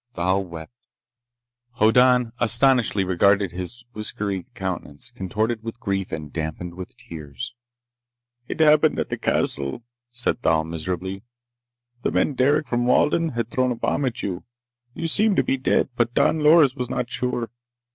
Thal wept. Hoddan astonishedly regarded his whiskery countenance, contorted with grief and dampened with tears. "It happened at the castle," said Thal miserably. "The man Derec, from Walden, had thrown a bomb at you. You seemed to be dead. But Don Loris was not sure.